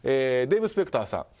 デーブ・スペクターさん。